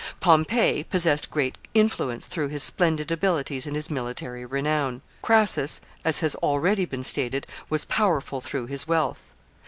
Pompey possessed great influence through his splendid abilities and his military renown. Crassus, as has already been stated, was powerful through his wealth.